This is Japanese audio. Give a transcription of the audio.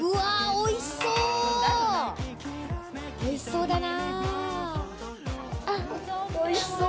おいしそうだな。